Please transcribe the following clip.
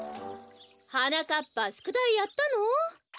はなかっぱしゅくだいやったの？